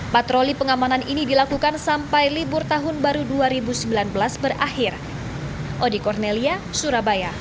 patroli pengamanan ini dilakukan sampai libur tahun baru dua ribu sembilan belas berakhir